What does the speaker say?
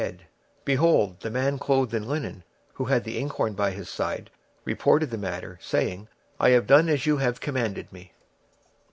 26:009:011 And, behold, the man clothed with linen, which had the inkhorn by his side, reported the matter, saying, I have done as thou hast commanded me.